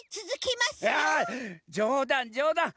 いやじょうだんじょうだん！